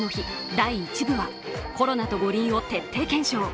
第１部はコロナと五輪を徹底検証。